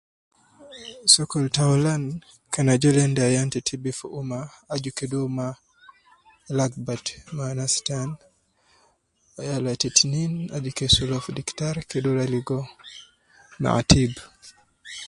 Sokol ta awulan kan ajol endi ayan ta TB fi umma, aju kede uwo mma lakbat ma anas taan. Yala ta itnin aju kede sulu uwo fi diktar kede uwo ruwa logo maatib.